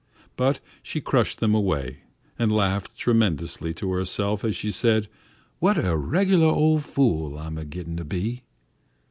But she crushed them away, and laughed tremulously to herself as she said, "What a reg'lar ol' fool I'm a gittin' to be."